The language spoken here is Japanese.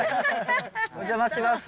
お邪魔します。